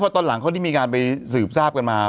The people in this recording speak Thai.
ตอนหลังเขาได้มีการไปสืบทราบกันมา